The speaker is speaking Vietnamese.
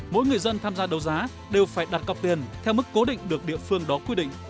mỗi người dân tham gia đấu giá đều phải đặt cọc tiền theo mức cố định được địa phương đó quy định